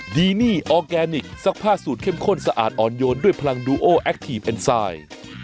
ดีนี่ออร์แกนิคซักผ้าสูตรเข้มข้นสะอาดอ่อนโยนด้วยพลังดูโอแอคทีฟเอ็นไซด์